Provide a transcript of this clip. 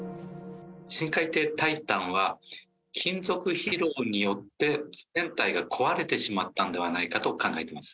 深海艇タイタンは、金属疲労によって船体が壊れてしまったのではないかと考えてます。